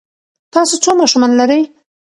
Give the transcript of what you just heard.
تاسو څو ماشومان لرئ؟